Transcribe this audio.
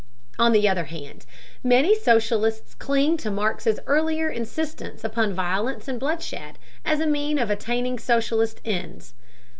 On the other hand, many socialists cling to Marx's earlier insistence upon violence and bloodshed as a means of attaining socialist ends.